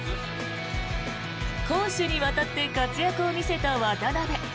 攻守にわたって活躍を見せた渡邊。